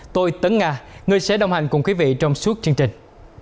tôi tấn nga người sẽ đồng hành cùng quý vị trong suốt chương trình